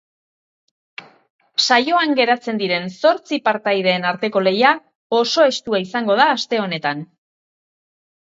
Saioan geratzen diren zortzi partaideen arteko lehia oso estua izango da aste honetan.